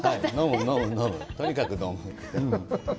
とにかく飲む。